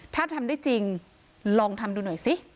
ถ้าทำได้จริงลองทำดูหน่อยซิ